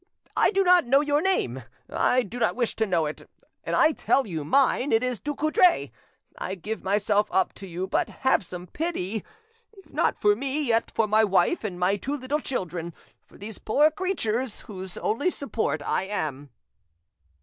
I do not know your name, I do not wish to know it, and I tell you mine, it is Ducoudray. I give myself up to you, but have some pity!—if not for me, yet for my wife and my two little children—for these poor creatures whose only support I am!"